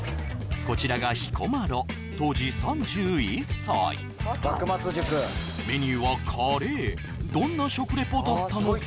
こちらが彦摩呂メニューはカレーどんな食リポだったのか？